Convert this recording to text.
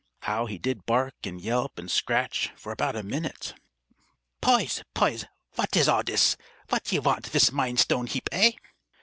How he did bark and yelp and scratch, for about a minute! "Poys! Poys! Vat is all dis? Vat you want vis mein stone heap, eh?"